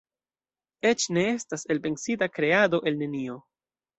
Eĉ ne estas elpensita "kreado el nenio.